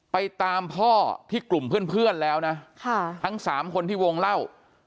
ไปตามพ่อที่กลุ่มเพื่อนแล้วนะทั้งสามคนที่วงเล่า